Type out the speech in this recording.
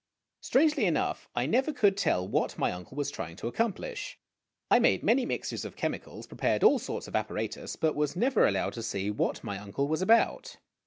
Strangely enough, I never could tell what my uncle was trying to accomplish. I made many mixtures of chemicals, prepared all sorts of apparatus, but was never allowed to see what my uncle was about.